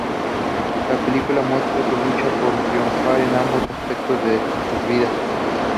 La película muestra su lucha por triunfar en ambos aspectos de sus vidas.